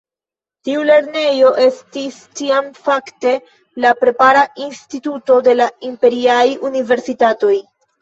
Tiu lernejo estis tiam fakte la prepara instituto de la imperiaj universitatoj.